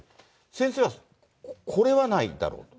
先生はこれはないだろうと？